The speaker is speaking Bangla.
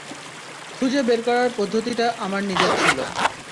খুঁজে বের করার পদ্ধতি টা আমার নিজের ছিল।